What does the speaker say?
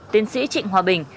tiến sĩ trịnh hòa bình